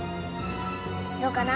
どうかな？